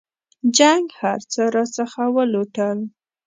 جنګ هرڅه راڅخه ولوټل.